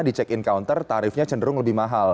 di check in counter tarifnya cenderung lebih mahal